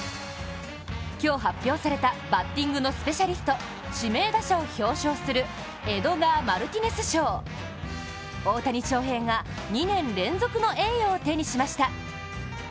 今日発表されたバッティングのスペシャリスト指名打者を表彰するエドガー・マルティネス賞、大谷翔平が２年連続の栄誉を手にしました。